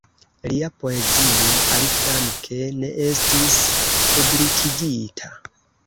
Lia poezio, aliflanke, ne estis publikigita.